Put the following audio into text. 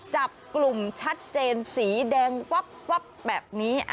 จับกลุ่มชัดเจนสีแดงวับแบบนี้